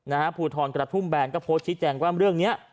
ภูทรกระทุ่มแบนก็โพสต์ชี้แจงว่าเรื่องเนี้ย